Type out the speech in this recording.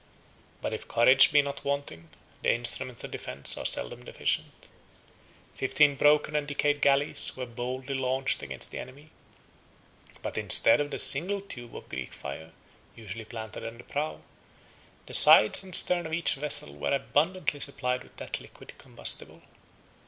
But if courage be not wanting, the instruments of defence are seldom deficient. Fifteen broken and decayed galleys were boldly launched against the enemy; but instead of the single tube of Greek fire usually planted on the prow, the sides and stern of each vessel were abundantly supplied with that liquid combustible.